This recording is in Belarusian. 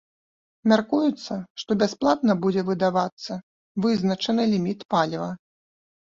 Мяркуецца, што бясплатна будзе выдавацца вызначаны ліміт паліва.